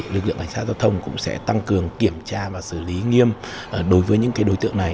lực lượng cảnh sát giao thông cũng sẽ tăng cường kiểm tra và xử lý nghiêm đối với những đối tượng này